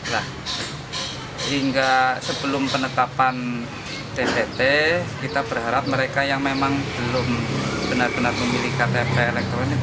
nah hingga sebelum penetapan tpt kita berharap mereka yang memang belum benar benar memiliki ktp elektronik